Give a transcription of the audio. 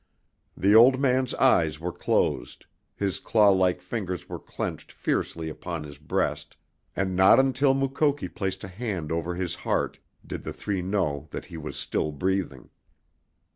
The old man's eyes were closed, his claw like fingers were clenched fiercely upon his breast, and not until Mukoki placed a hand over his heart did the three know that he was still breathing.